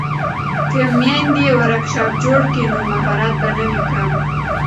که میندې ورکشاپ جوړ کړي نو مهارت به نه وي کم.